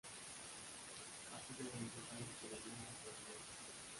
Ha sido reemplazado por el modo Torneo.